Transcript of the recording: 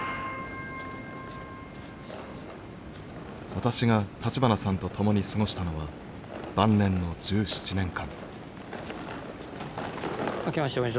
私が立花さんと共に過ごしたのは晩年の１７年間。